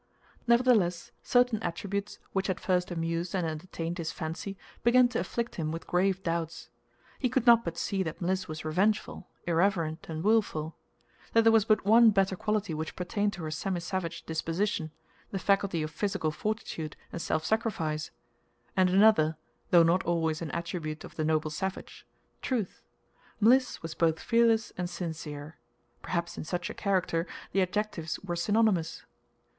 Nevertheless, certain attributes which at first amused and entertained his fancy began to afflict him with grave doubts. He could not but see that Mliss was revengeful, irreverent, and willful. That there was but one better quality which pertained to her semisavage disposition the faculty of physical fortitude and self sacrifice, and another, though not always an attribute of the noble savage Truth. Mliss was both fearless and sincere; perhaps in such a character the adjectives were synonymous.